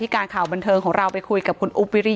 ถ้าใครอยากรู้ว่าลุงพลมีโปรแกรมทำอะไรที่ไหนยังไง